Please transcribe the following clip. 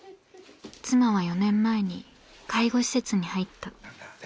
妻は４年前に介護施設に入った。